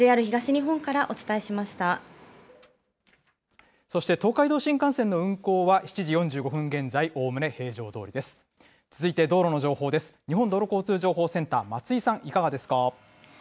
日本道路交通情報センター、松井さん、いかがですか。